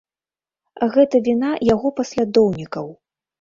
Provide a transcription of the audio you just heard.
Гэта віна яго паслядоўнікаў.